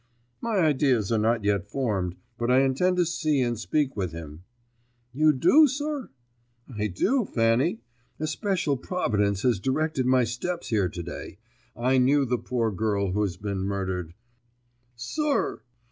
"My ideas are not yet formed, but I intend to see and speak with him." "You do, sir?" "I do, Fanny, A special providence has directed my steps here to day. I knew the poor girl who has been murdered." "Sir!"